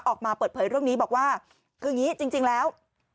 ออกมาเปิดเผยเรื่องนี้บอกว่าคืออย่างนี้จริงแล้ว